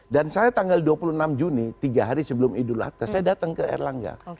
saya tanggal dua puluh enam juni tiga hari sebelum idul adha saya datang ke erlangga